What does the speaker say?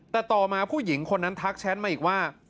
แต่ต่อมาผู้หญิงคนนั้นทักแชทมาอีกว่า